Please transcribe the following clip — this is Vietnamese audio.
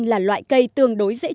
là loại cây tương đối dễ chịu